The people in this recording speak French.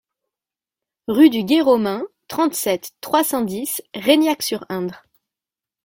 Rue du Gué Romain, trente-sept, trois cent dix Reignac-sur-Indre